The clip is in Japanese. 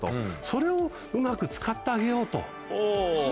それをうまく使ってあげようと。